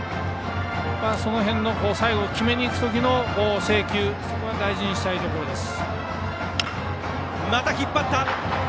その辺の最後、決めに行く時の制球は大事にしたいです。